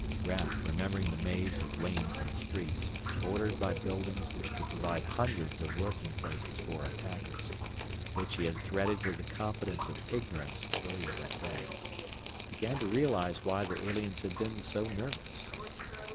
Raf, remembering the maze of lanes and streets bordered by buildings which could provide hundreds of lurking places for attackers which he had threaded with the confidence of ignorance earlier that day, began to realize why the aliens had been so nervous.